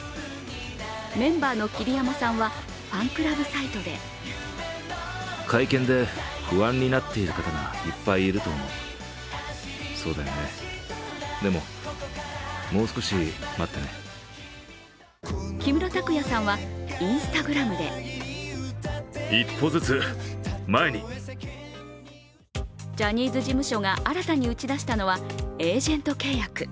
メンバーの桐山さんはファンクラブサイトで木村拓哉さんはＩｎｓｔａｇｒａｍでジャニーズ事務所が新たに打ち出したのはエージェント契約。